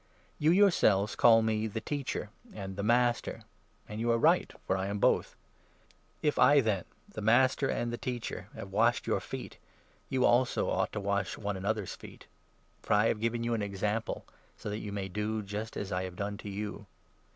"You yourselves call me 'the Teacher' and 'the 13 Master', and you are right, for I am both. If I, then — 'the 14 Master ' and ' the Teacher '— have washed your feet, you also ought to wash one another's feet ; for I have given you an 15 example, so that you may do just as I have done to you.